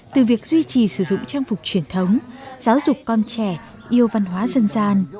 từ việc duy trì sử dụng trang phục truyền thống giáo dục con trẻ yêu văn hóa dân gian